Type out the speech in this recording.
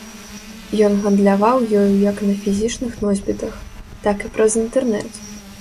Ён гандляваў ёю як на фізічных носьбітах, так і праз інтэрнэт.